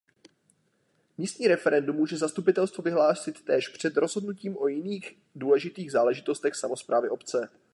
Místní referendum může zastupitelstvo vyhlásit též před rozhodnutím o jiných důležitých záležitostech samosprávy obce.